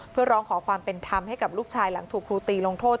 เพื่อร้องขอความเป็นธรรมให้กับลูกชายหลังถูกครูตีลงโทษ